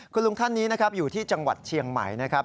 คุณลุงท่านนี้นะครับอยู่ที่จังหวัดเชียงใหม่นะครับ